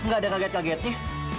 gak ada kaget kagetnya